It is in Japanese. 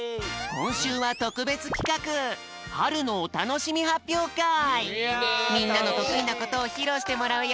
こんしゅうはとくべつきかくみんなのとくいなことをひろうしてもらうよ！